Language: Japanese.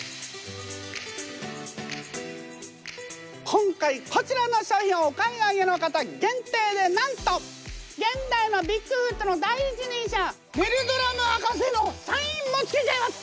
今回こちらの商品をお買い上げの方限定でなんと現代のビッグフットの第一人者メルドラム博士のサインもつけちゃいます！